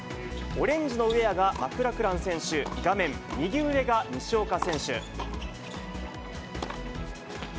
オレンジのウエアがマクラクラン選手、画面右上が西岡選手。